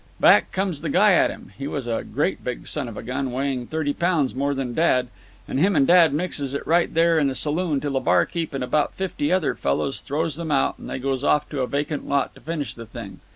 "Back comes the guy at him—he was a great big son of a gun, weighing thirty pounds more than dad—and him and dad mixes it right there in the saloon till the barkeep and about fifty other fellers throws them out, and they goes off to a vacant lot to finish the thing.